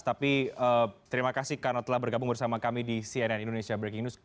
tapi terima kasih karena telah bergabung bersama kami di cnn indonesia breaking news